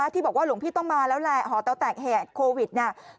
ที่บอกว่าหลวงพี่ต้องมาแล้วแหละหอเตาแตกแหกโควิดเนี่ย